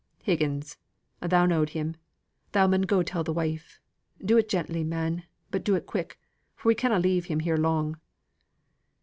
"Higgins, thou knowed him! Thou mun go tell the wife. Do it gently, man, but do it quick, for we canna leave him here long."